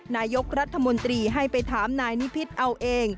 นายกรัฐมนตรีให้ไปถามนายนิพิษเอาเอง